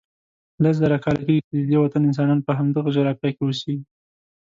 لس زره کاله کېږي چې ددې وطن انسانان په همدغه جغرافیه کې اوسیږي.